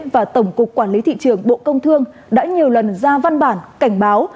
và tổng cục quản lý thị trường bộ công thương đã nhiều lần ra văn bản cảnh báo